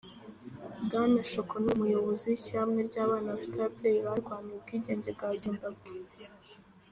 Bwana Shoko ni umuyobozi w'ishyirahamwe ry'abana bafite ababyeyi barwaniye ubwigenge bwa Zimbabwe.